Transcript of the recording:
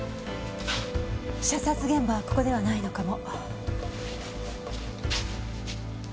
射殺現場はここではないのかも。